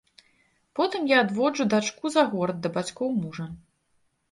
Потым я адвожу дачку за горад да бацькоў мужа.